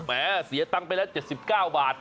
แม้เสียตังค์ไปแล้ว๗๙บาท